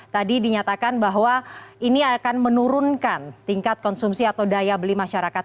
tadi dinyatakan bahwa ini akan menurunkan tingkat konsumsi atau daya beli masyarakat